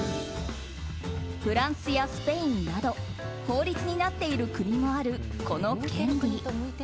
フランスやスペインなど法律になっている国もあるこの権利。